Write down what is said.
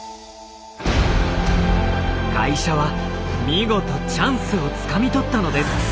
会社は見事チャンスをつかみ取ったのです。